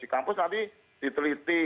di kampus nanti diteliti